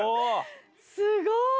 すごい。